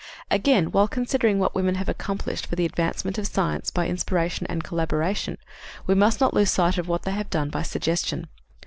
Again, while considering what women have accomplished for the advancement of science by inspiration and collaboration, we must not lose sight of what they have done by suggestion.